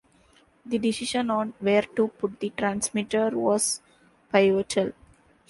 The decision on where to put the transmitter was pivotal.